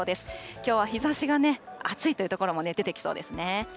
きょうは日ざしがね、暑いという所も出てきそうですね。